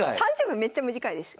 ３０秒めっちゃ短いです。